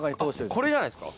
これじゃないですか？